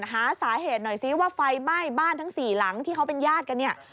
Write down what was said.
หาสาเหตุหน่อยซิว่าไฟไหม้บ้านทั้งสี่หลังที่เขาเป็นญาติกันเนี่ย